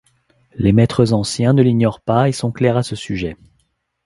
Les maîtres anciens ne l’ignorent pas et sont clairs à ce sujet.